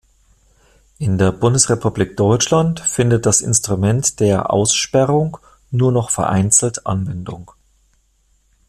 In der Bundesrepublik Deutschland findet das Instrument der Aussperrung nur noch vereinzelt Anwendung.